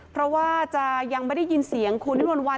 เพราะว่าจะยังไม่ได้ยินเสียงคุณวิมวลวัน